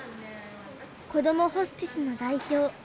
こどもホスピスの代表